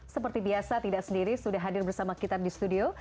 seperti biasa tidak sendiri sudah hadir bersama kita di studio